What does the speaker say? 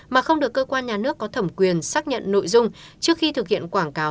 mà không được cơ quan nhà nước có thẩm quyền xác nhận nội dung trước khi thực hiện quảng cáo